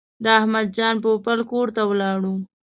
د احمد جان پوپل کور ته ولاړو.